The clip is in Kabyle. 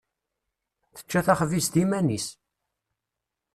Tečča taxbizt iman-is.